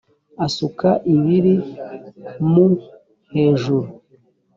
asuka ibiri mu hejuru.